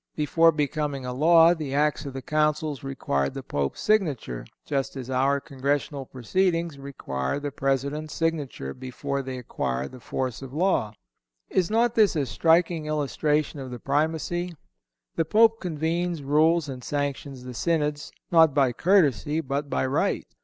Before becoming a law the Acts of the Councils required the Pope's signature, just as our Congressional proceedings require the President's signature before they acquire the force of law. Is not this a striking illustration of the Primacy? The Pope convenes, rules and sanctions the Synods, not by courtesy, but by right.